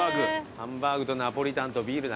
ハンバーグとナポリタンとビールだな。